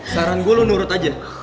saran gue lu nurut aja